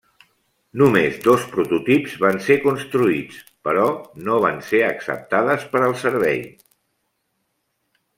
Només dos prototips van ser construïts, però no van ser acceptades per al servei.